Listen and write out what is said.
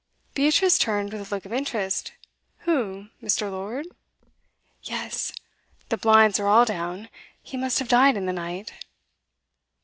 Beatrice turned with a look of interest. 'Who? Mr. Lord?' 'Yes. The blinds are all down. He must have died in the night.